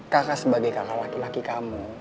kakak sebagai kakak laki laki kamu